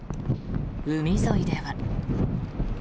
海沿いでは。